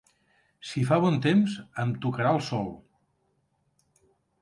Si fa bon temps, em tocarà el sol.